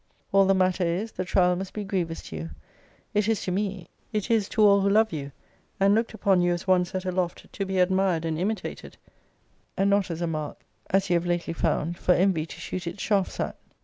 All the matter is, the trial must be grievous to you. It is to me: it is to all who love you, and looked upon you as one set aloft to be admired and imitated, and not as a mark, as you have lately found, for envy to shoot its shafts at.